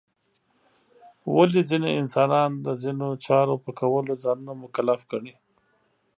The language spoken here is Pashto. ولې ځینې انسانان د ځینو چارو په کولو ځانونه مکلف ګڼي؟